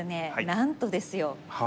なんとですよ。